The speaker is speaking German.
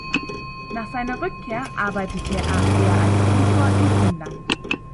Nach seiner Rückkehr arbeitete er als Tutor in Finnland.